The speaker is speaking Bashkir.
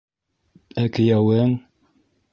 Ә кейәүең...